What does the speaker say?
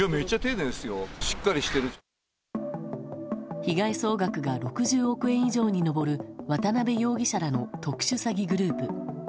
被害総額が６０億円以上に上る渡辺容疑者らの特殊詐欺グループ。